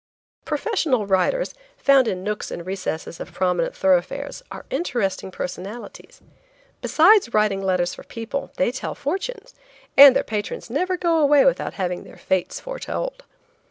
Professional writers, found in nooks and recesses of prominent thoroughfares, are interesting personalities. Besides writing letters for people they tell fortunes, and their patrons never go away without having their fates foretold.